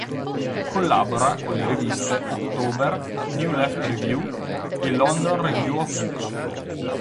Collabora con le riviste "October", "New Left Review" e "London Review of Books".